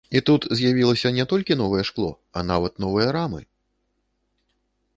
А тут з'явілася не толькі новае шкло, а нават новыя рамы!